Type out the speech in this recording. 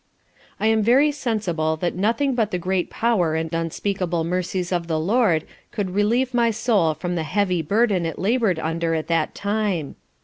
I am very sensible that nothing but the great power and unspeakable mercies of the Lord could relieve my soul from the heavy burden it laboured under at that time.